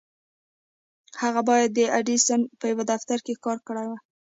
هغه بايد د ايډېسن په يوه دفتر کې کار کړی وای.